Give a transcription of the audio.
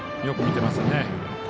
よく見てますね。